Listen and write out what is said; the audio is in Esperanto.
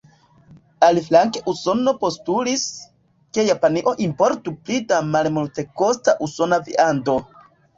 Aliflanke Usono postulis, ke Japanio importu pli da malmultekosta usona viando.